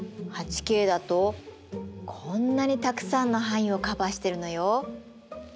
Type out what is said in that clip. ８Ｋだとこんなにたくさんの範囲をカバーしてるのよ。